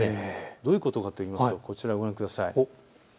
どういうことかといいますとこちらをご覧ください。